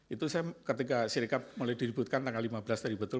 itu saya ketika sirikap mulai diributkan tanggal lima belas tadi betul